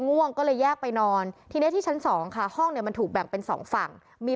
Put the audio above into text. ง่วงก็เลยแยกไปนอนทีนี้ที่ชั้นสองค่ะห้องเนี่ยมันถูกแบ่งเป็นสองฝั่งมี